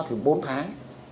thì bốn tháng